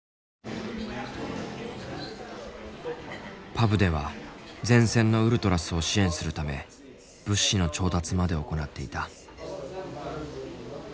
パブでは前線のウルトラスを支援するため物資の調達まで行っていた。